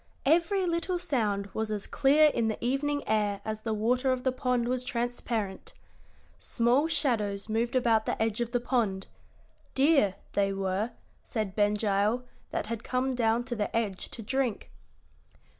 Every little sound was as clear in the evening air as the water of the pond was transparent. Small shadows moved about the edge of the pond deer, they were, said Ben Gile, that had come down to the edge to drink.